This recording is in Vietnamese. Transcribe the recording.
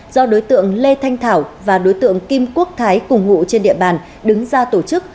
do đối tượng lê thanh thảo và đối tượng kim quốc thái cùng ngụ trên địa bàn đứng ra tổ chức